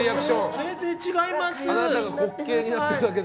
全然、違います。